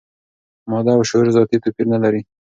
ماده او شعور ذاتي توپیر نه لري.